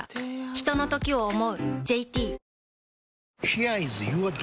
ひとのときを、想う。